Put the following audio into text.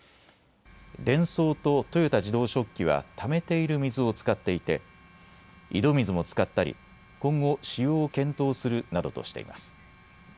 デンソーと豊田自動織機はためている水を使っていて井戸水も使ったり今後使用を検討するなどとしています。